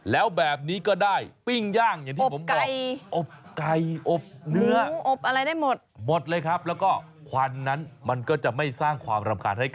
แล้วแบบนี้ก็ได้ปิ้งย่างอบไก่